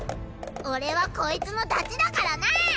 俺はこいつのダチだからな！